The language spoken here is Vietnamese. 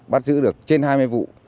bắt giữ được trên hai mươi vụ